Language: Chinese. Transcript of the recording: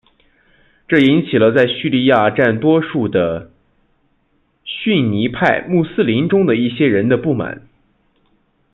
这引起了在叙利亚占多数的逊尼派穆斯林中的一些人的不满。